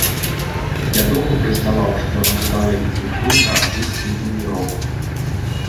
Нядоўга праіснаваўшы, ён аказаў вялікі ўплыў на англійскі інды-рок.